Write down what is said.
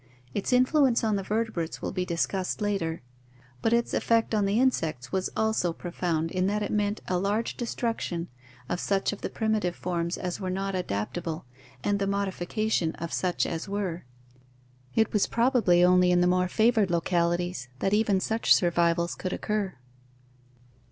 Its influence on the vertebrates will be discussed later (see Epilogue), but its effect on the insects was also profound in that it meant a large destruction of such of the primitive forms as were not adapt able, and the modification of such as were. It was probably only in the more favored localities that even such survivals could occur.